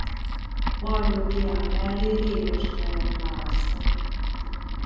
Balduin király mellé régenst kellett választani.